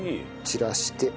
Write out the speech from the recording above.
散らして。